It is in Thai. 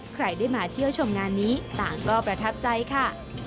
ใครได้มาเที่ยวชมงานนี้ต่างก็ประทับใจค่ะ